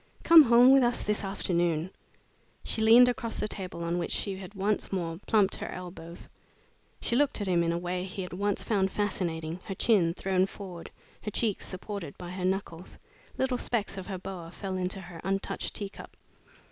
Come home with us this afternoon." She leaned across the table, on which she had once more plumped her elbows. She looked at him in a way he had once found fascinating her chin thrown forward, her cheeks supported by her knuckles. Little specks of her boa fell into her untouched teacup.